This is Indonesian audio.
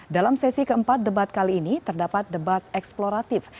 dalam sesi keempat debat kali ini terdapat debat eksploratif